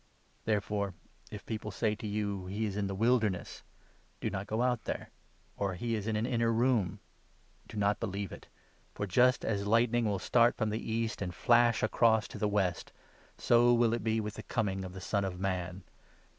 Therefore, if people say to you 26 ' He is in the Wilderness !', do not go out there ; or ' He is in an inner room !', do not believe it ; for, just as lightning will start 27 from the east and flash across to the west, so will it be with the Coming of the Son of Man.